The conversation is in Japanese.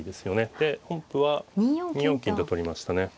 で本譜は２四金と取りましたね。